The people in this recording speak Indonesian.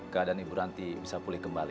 keadaan ibu ranti bisa pulih kembali